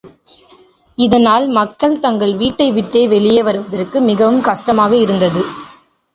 இதனால் மக்கள் தங்கள் வீட்டை விட்டு வெளியே வருவதற்கு மிகவும் கஷ்டமாக இருந்தது.